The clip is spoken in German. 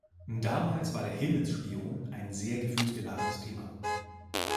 Damals war der "Himmelsspion" ein sehr gefühlsbeladenes Thema.